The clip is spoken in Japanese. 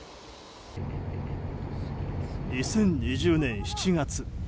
２０２０年７月。